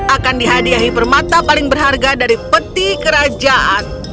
akan dihadiahi permata paling berharga dari peti kerajaan